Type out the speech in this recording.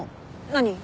何？